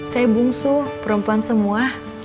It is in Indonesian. saya bungsu perempuan semua